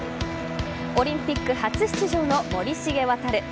オリンピック初出場の森重航。